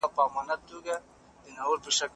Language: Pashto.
علمي تحقیق په ناسمه توګه نه رهبري کیږي.